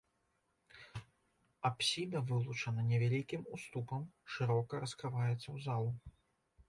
Апсіда вылучана невялікім уступам, шырока раскрываецца ў залу.